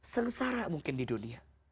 sengsara mungkin di dunia